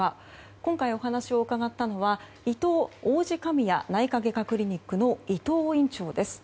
今回、お話を伺ったのはいとう王子神谷内科外科クリニックの伊藤院長です。